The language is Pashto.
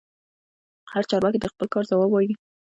هر چارواکي د خپل کار ځواب وايي.